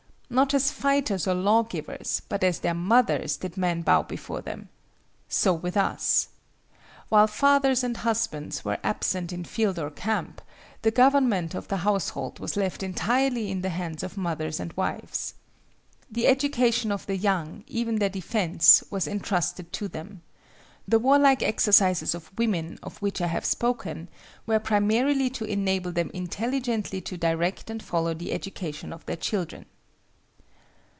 Not as fighters or law givers, but as their mothers did men bow before them. So with us. While fathers and husbands were absent in field or camp, the government of the household was left entirely in the hands of mothers and wives. The education of the young, even their defence, was entrusted to them. The warlike exercises of women, of which I have spoken, were primarily to enable them intelligently to direct and follow the education of their children.